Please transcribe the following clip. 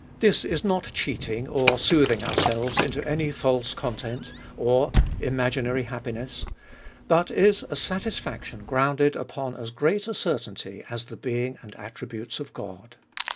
This is not cheating or soothing ourselves into any false content, or imaginary happiness ; but is a satisfaction, grounded upon as great a certainty as the being and attributes of God.